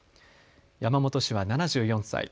山本氏は７４歳。